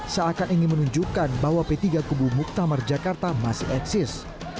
seakan ingin menunjukkan bahwa p tiga kubu muktamar jakarta masih eksis